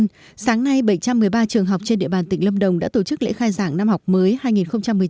nhưng sáng nay bảy trăm một mươi ba trường học trên địa bàn tỉnh lâm đồng đã tổ chức lễ khai giảng năm học mới hai nghìn một mươi chín hai nghìn hai mươi